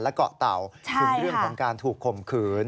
และเกาะเต่าถึงเรื่องของการถูกข่มขืน